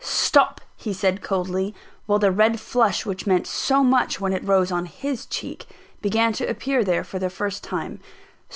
"Stop," he said coldly, while the red flush which meant so much when it rose on his cheek, began to appear there for the first time.